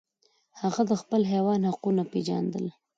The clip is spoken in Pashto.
هغه د خپل حیوان حقونه پیژندل.